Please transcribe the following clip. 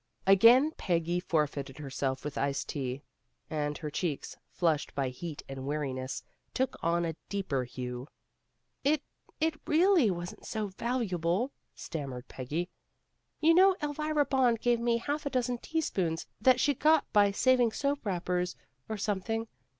Again Peggy forfeited herself with iced tea, and her cheeks, flushed by heat and weariness, took on a deeper hue. "It it really wasn't so valuable, " stammered Peggy. "You know Elvira Bond gave me half a dozen teaspoons that she got by saving soap wrappers or some thing.